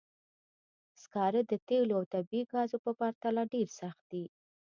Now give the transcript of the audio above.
سکاره د تېلو او طبیعي ګازو په پرتله ډېر سخت دي.